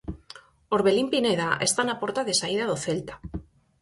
Orbelín Pineda está na porta de saída do Celta.